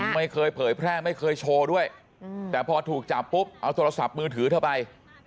ไม่เคยเผยแพร่ไม่เคยโชว์ด้วยแต่พอถูกจับปุ๊บเอาโทรศัพท์มือถือเธอไป